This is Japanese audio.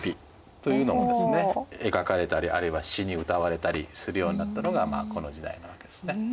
描かれたりあるいは詩にうたわれたりするようになったのがこの時代なわけですね。